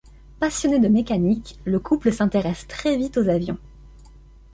Passionné de mécanique, le couple s’intéresse très vite aux avions.